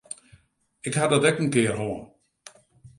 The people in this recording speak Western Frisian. Ik ha dat ek in kear hân.